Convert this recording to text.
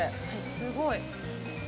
すごい。